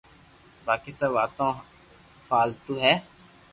باقي سب واتو فالتو ھي